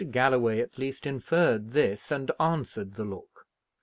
Galloway, at least, inferred this, and answered the look.